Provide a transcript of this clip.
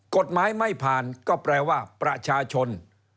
กฎหมายไม่ผ่านก็แปลว่าประชาชน